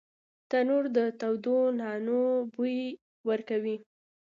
تنور د تودو نانو بوی ورکوي